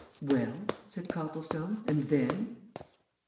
"Well?" said Copplestone. "And then?"